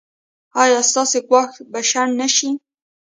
ایا ستاسو ګواښ به شنډ نه شي؟